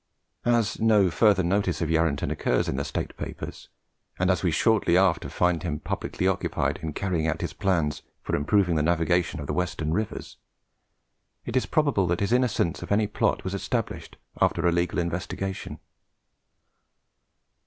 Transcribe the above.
As no further notice of Yarranton occurs in the State Papers, and as we shortly after find him publicly occupied in carrying out his plans for improving the navigation of the western rivers, it is probable that his innocence of any plot was established after a legal investigation.